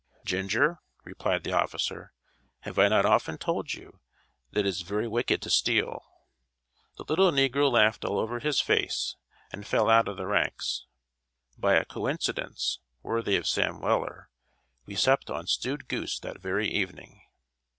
"Ginger," replied the officer, "have I not often told you that it is very wicked to steal?" The little negro laughed all over his face, and fell out of the ranks. By a "coincidence," worthy of Sam Weller, we supped on stewed goose that very evening.